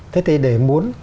thế thì để muốn